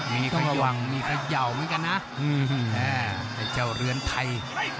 มีใครหย่าวเหมือนกันนะไอ้เจ้าเรือนไทย